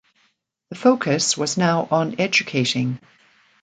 The focus was now on educating.